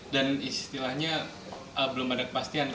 dan istilahnya belum ada kepastian